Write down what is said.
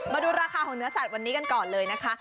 มาดูราคาของเนื้อสัตว์วันนี้กันก่อนเลยนะคะ